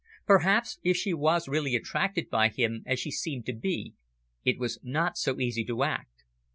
Perhaps if she was really attracted by him, as she seemed to be, it was not so easy to act.